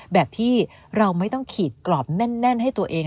แบบที่เราไม่ต้องขีดกรอบแน่นให้ตัวเอง